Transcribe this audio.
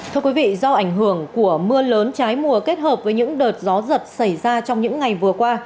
thưa quý vị do ảnh hưởng của mưa lớn trái mùa kết hợp với những đợt gió giật xảy ra trong những ngày vừa qua